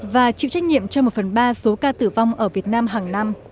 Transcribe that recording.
và chịu trách nhiệm cho một phần ba số ca tử vong ở việt nam hàng năm